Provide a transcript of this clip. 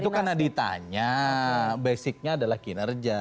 itu karena ditanya basicnya adalah kinerja